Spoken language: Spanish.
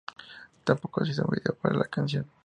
Tampoco se hizo un video para la canción.